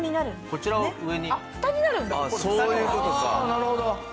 なるほど。